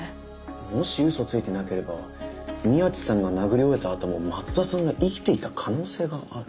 もしうそついてなければ宮地さんが殴り終えたあとも松田さんが生きていた可能性がある。